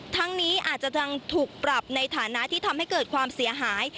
ทั้งนี้อาจจะยังถูกปรับในฐานะที่ทำให้เกิดความเสียหาย